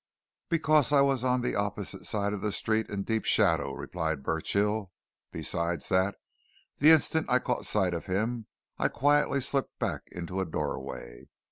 "Because I was on the opposite side of the street, in deep shadow," replied Burchill. "Besides that, the instant I caught sight of him I quietly slipped back into a doorway.